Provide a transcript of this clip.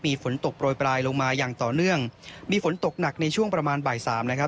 มีฝนตกโปรยปลายลงมาอย่างต่อเนื่องมีฝนตกหนักในช่วงประมาณบ่ายสามนะครับ